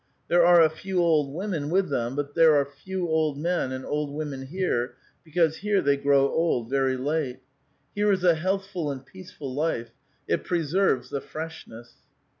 There are a few old women with them ; but there are few old men and old women here, be cause here they grow old ver} late. "Here is a healthful and peaceful life ; it preserves the freshness."